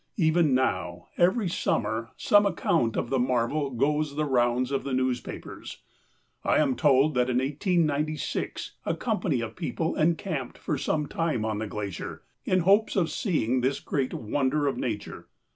Even now, every summer, some account of the marvel goes the rounds of the newspapers. I am told that in 189G a company of people encamped for some time on the glacier, in hopes of seeing this great wonder of Nature.